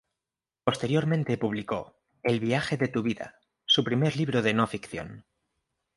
Posteriormente publicó "El viaje de tu vida", su primer libro de no ficción.